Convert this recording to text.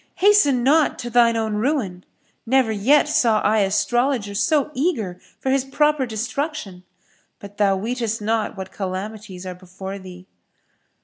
Hasten not to shine own ruin: never yet saw I astrologer so eager for his proper destruction; but thou weetest not what calamities are before thee."